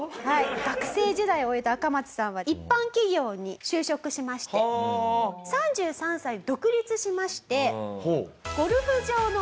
学生時代を終えたアカマツさんは一般企業に就職しまして３３歳独立しまして。